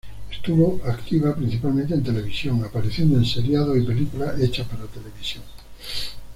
Estuvo activa principalmente en televisión, apareciendo en seriados y películas hechas para televisión.